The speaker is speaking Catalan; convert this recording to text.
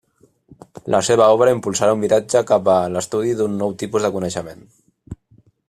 La seva obra impulsà un viratge cap a l'estudi d'un nou tipus de coneixement.